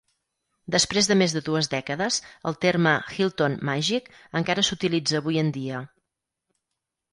Després de més de dues dècades, el terme "Hilton Magic" encara s'utilitza avui en dia.